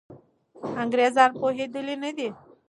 انګریزان پوهېدلي نه دي.